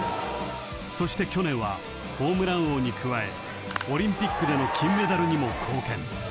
［そして去年はホームラン王に加えオリンピックでの金メダルにも貢献］